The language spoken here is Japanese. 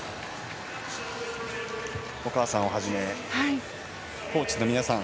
お母さんをはじめコーチの皆さん